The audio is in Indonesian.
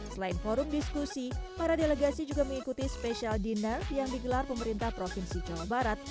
selain forum diskusi para delegasi juga mengikuti special dinner yang digelar pemerintah provinsi jawa barat